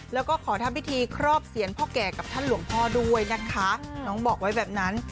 แล้วก็ขอทำพิธีครอบเสียรพ่อแก่กับท่านหลวงพ่อด้วยนะคะน้องบอกไว้แบบนั้น